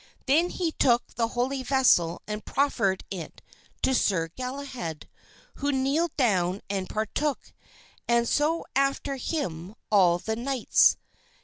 Then he took the holy vessel and proffered it to Sir Galahad, who kneeled down and partook; and so after him all the knights.